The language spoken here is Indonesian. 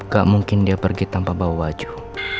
gak mungkin dia pergi tanpa bawa baju